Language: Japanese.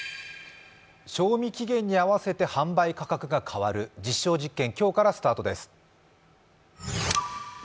賞味期限に合わせて販売価格が変わる実証実験、今日からスタートです。